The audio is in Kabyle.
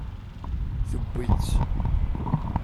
Tewwi-tt.